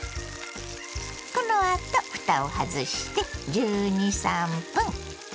このあとふたを外して１２１３分。